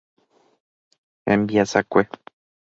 Hembiasakue.